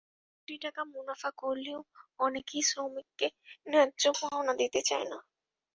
কোটি কোটি টাকা মুনাফা করলেও অনেকেই শ্রমিকদের ন্যায্য পাওনা দিতে চান না।